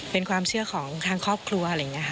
เป็นความเชื่อของทางครอบครัว